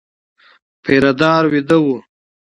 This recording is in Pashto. پيره دار وېده و.